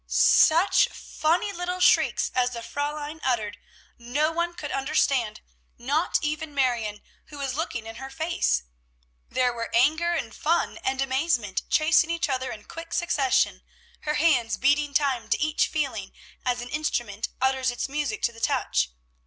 Such funny little shrieks as the Fräulein uttered, no one could understand, not even Marion, who was looking in her face. There were anger and fun and amazement, chasing each other in quick succession, her hands beating time to each feeling, as an instrument utters its music to the touch.